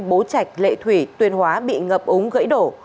bố trạch lệ thủy tuyên hóa bị ngập úng gãy đổ